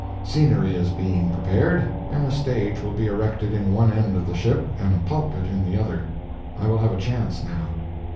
Scenery is being prepared, and a stage will be erected in one end of the ship and a pulpit in the other. I will have a chance now.